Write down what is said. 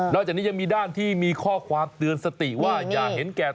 จากนี้ยังมีด้านที่มีข้อความเตือนสติว่าอย่าเห็นแก่